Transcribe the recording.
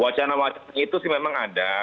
wacana wacana itu sih memang ada